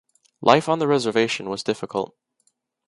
Life on the reservation was difficult.